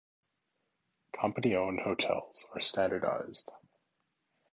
Company-owned hotels are standardized.